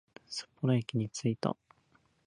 みんな協力してー